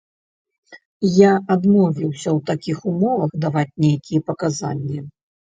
Я адмовіўся ў такіх умовах даваць нейкія паказанні.